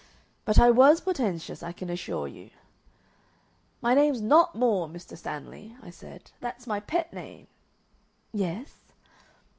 But I was portentous, I can assure you. 'My name's NOT More, Mr. Stanley,' I said. 'That's my pet name.'" "Yes?"